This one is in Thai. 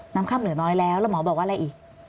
ค่ำเหลือน้อยแล้วแล้วหมอบอกว่าอะไรอีก